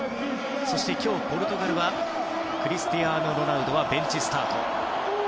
そして、今日ポルトガルはクリスティアーノ・ロナウドはベンチスタート。